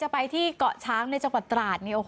ไปที่เกาะช้างในจังหวัดตราด